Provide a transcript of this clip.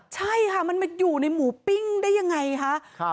ใช่ค่ะมันมาอยู่ในหมูปิ้งได้ยังไงคะ